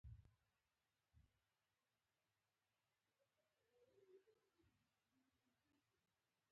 بادام د افغانستان په طبیعت کې یو مهم رول لري.